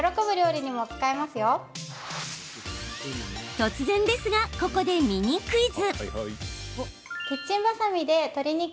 突然ですが、ここでミニクイズ。